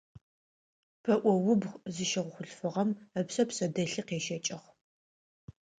Пэӏо убгъу зыщыгъ хъулъфыгъэм ыпшъэ пшъэдэлъи къещэкӏыгъ.